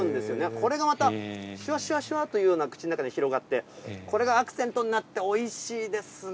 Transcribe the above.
これがまた、しゅわしゅわしゅわというような、口の中で広がって、これがアクセントになっておいしいですね。